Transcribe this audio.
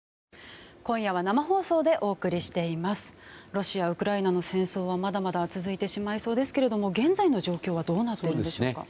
ロシア、ウクライナの戦争はまだまだ続いてしまいそうですが現在の状況はどうなっているんでしょうか。